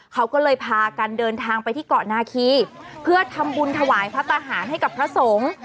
เขาก็เลยพากันเดินทางไปที่เกาะนาคีเพื่อทำบุญถวายพระทหารให้กับพระสงฆ์